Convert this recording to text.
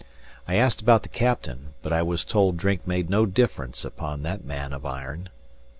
I asked about the captain; but I was told drink made no difference upon that man of iron.